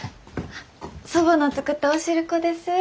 祖母の作ったお汁粉です。